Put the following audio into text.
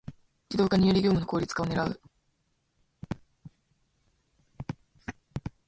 ⅱ 自動化により業務の効率化を狙う